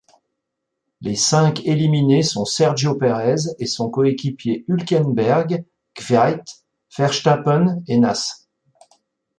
Les cinq éliminés sont Sergio Pérez et son coéquipier Hülkenberg, Kvyat, Verstappen et Nasr.